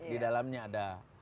di dalamnya ada